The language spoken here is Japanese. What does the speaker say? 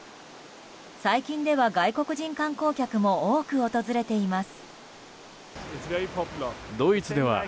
最近では、外国人観光客も多く訪れています。